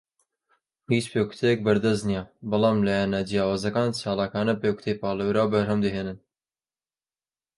هیچ پێکوتەیەک بەردەست نییە، بەڵام لایەنە جیاوازەکان چالاکانە پێکوتەی پاڵێوراو بەرهەم دەهێنن.